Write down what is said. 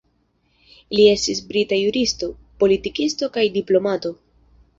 Li estis brita juristo, politikisto kaj diplomato.